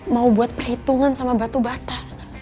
mau buat perhitungan sama batu bata